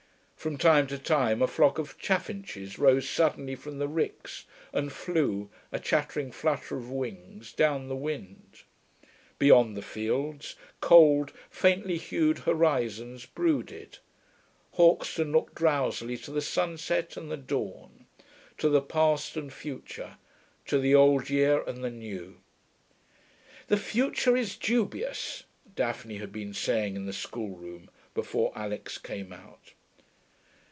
From time to time a flock of chaffinches rose suddenly from the ricks and flew, a chattering flutter of wings, down the wind. Beyond the fields, cold, faintly hued horizons brooded. Hauxton looked drowsily to the sunset and the dawn, to the past and future, to the old year and the new. 'The future is dubious,' Daphne had been saying in the schoolroom, before Alix came out.